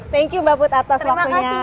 thank you mbak put atas waktunya